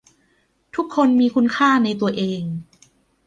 ทุกคนมีคุณค่าในตัวเอง